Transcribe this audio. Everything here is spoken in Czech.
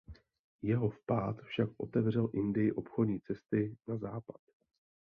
Jeho vpád však otevřel Indii obchodní cesty na západ.